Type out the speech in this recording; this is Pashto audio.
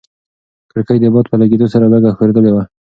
کړکۍ د باد په لګېدو سره لږه ښورېدلې وه.